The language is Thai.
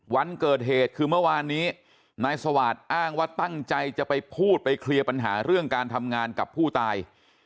วันเกิดเหตุคือเมื่อวานนี้นายสวาสตร์อ้างว่าตั้งใจจะไปพูดไปเคลียร์ปัญหาเรื่องการทำงานกับผู้ตาย